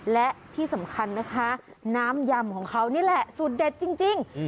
และที่สำคัญนะคะน้ำยำของเขานี่แหละสูตรเด็ดจริง